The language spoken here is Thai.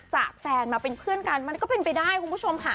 จากแฟนมาเป็นเพื่อนกันมันก็เป็นไปได้คุณผู้ชมค่ะ